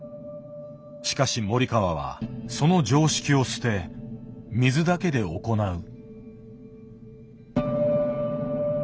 しかし森川はその常識を捨て水だけで行う。